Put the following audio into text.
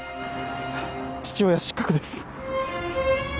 父親失格です。